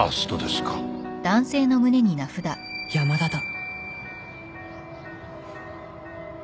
山田だ